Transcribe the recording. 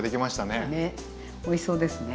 ねおいしそうですね。